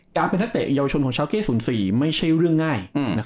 การเป็นนักเตะเยาวชนของชาวเก้๐๔ไม่ใช่เรื่องง่าย